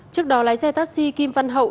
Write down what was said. trước đó lái xe taxi kim văn hậu